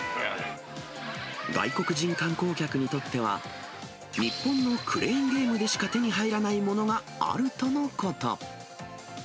外国人観光客にとっては、日本のクレーンゲームでしか手に入らないものがあるとのこと。